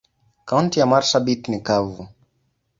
Kaunti ya marsabit ni kavu.